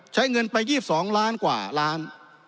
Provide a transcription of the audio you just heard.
ใช้เงินไป๒๒ล้านกว่าล้าน